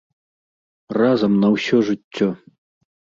Разам на ўсё жыццё.